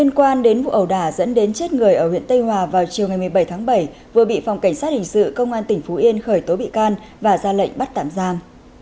liên quan đến vụ ẩu đả dẫn đến chết người ở huyện tây hòa vào chiều ngày một mươi bảy tháng bảy vừa bị phòng cảnh sát hình sự công an tỉnh phú yên khởi tố bị can và ra lệnh bắt tạm giam